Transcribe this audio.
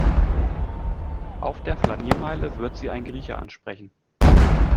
Auf der Flaniermeile wird Sie ein Grieche ansprechen.